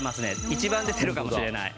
一番出てるかもしれない。